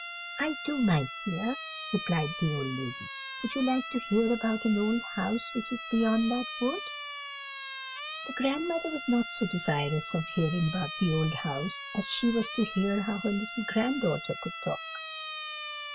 "I do, my dear," replied the old lady. "Would you like to hear about an old house which is beyond that wood?" The grandmother was not so desirous of hearing about the old house, as she was to hear how her little grand daughter could talk.